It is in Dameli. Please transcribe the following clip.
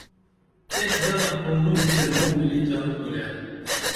ایک گنہ کُھونڈُم تے موں ملی جھنگ کُرے